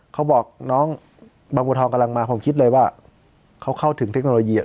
เขาบอกน้องบางบัวทองกำลังมาผมคิดเลยว่าเขาเข้าถึงเทคโนโลยี